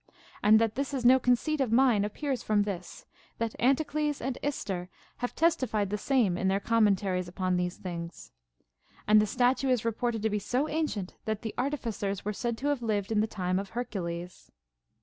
And that this is no conceit of mine appears from this, that Anticles and Ister have testified the same in their commentaries upon these things. And the statue is reported to be so ancient, that the artificers were said to have lived in the time of Hercules.